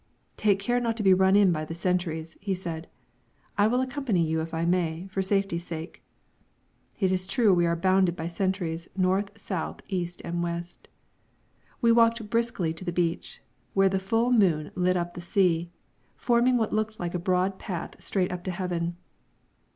"Take care not to be run in by the sentries," he said. "I will accompany you if I may, for safety's sake." It is true we are bounded by sentries north, south, east and west. We walked briskly to the beach, where a full moon lit up the sea, forming what looked like a broad path straight up to heaven.